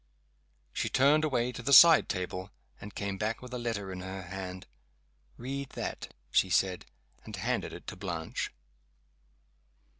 She turned away to the side table, and came back with a letter in her hand. "Read that," she said, and handed it to Blanche.